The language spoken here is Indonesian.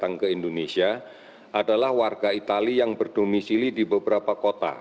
datang ke indonesia adalah warga itali yang berdomisili di beberapa kota